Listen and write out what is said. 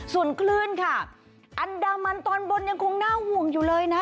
ส่วนคลื่นค่ะอันดามันตอนบนยังคงน่าห่วงอยู่เลยนะ